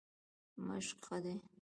مشق ښه دی.